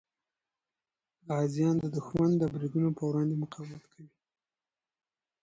غازیان د دښمن د بریدونو په وړاندې مقاومت کوي.